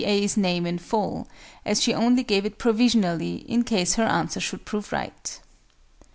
A.'s name in full, as she only gave it provisionally, in case her answer should prove right.